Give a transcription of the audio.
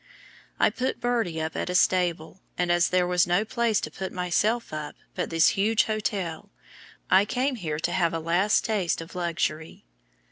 I put Birdie up at a stable, and as there was no place to put myself up but this huge hotel, I came here to have a last taste of luxury.